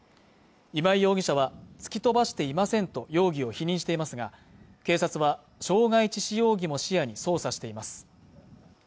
今井容疑者は突き飛ばしていませんと容疑を否認していますが警察は傷害致死容疑も視野に捜査しています